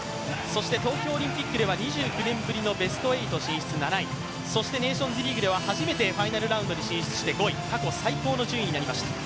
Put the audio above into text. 東京オリンピックでは２９年ぶりのベスト８進出、７位、ネーションズリーグでは初めてファイナルラウンドに進出して５位過去最高の順位になりました。